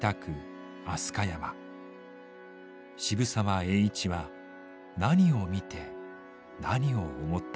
渋沢栄一は何を見て何を思ったのか。